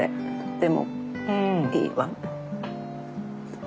でもいいわ。